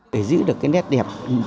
để giữ được cái nét đẹp